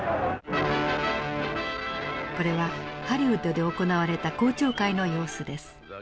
これはハリウッドで行われた公聴会の様子です。